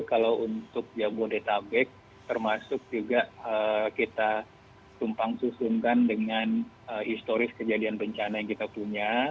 kalau untuk jabodetabek termasuk juga kita tumpang susunkan dengan historis kejadian bencana yang kita punya